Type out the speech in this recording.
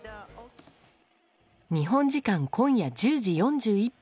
日本時間今夜１０時４１分